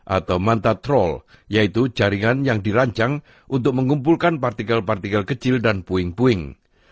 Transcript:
atau manta troll yaitu jaringan yang dirancang untuk mengumpulkan partikel partikel kecil dan puing puing